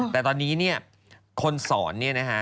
แต่ตอนนี้เนี่ยคนสอนเนี่ยนะฮะ